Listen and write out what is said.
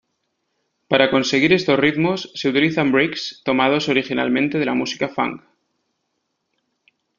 Para conseguir estos ritmos se utilizan breaks tomados originalmente de la música funk.